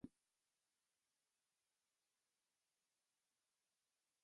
是第一次国共内战主要战斗之一。